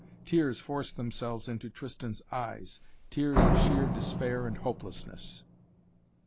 Tears forced themselves into Tristan's eyes, tears of sheer despair and hopelessness.